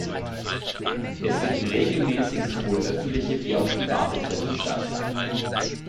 Es finden regelmäßig sowohl öffentliche wie auch private Treffen statt.